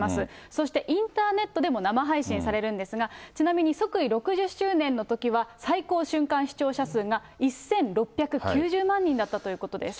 そしてインターネットでも生配信されるんですが、ちなみに即位６０周年のときには、最高瞬間視聴者数が１６９０万人だったということです。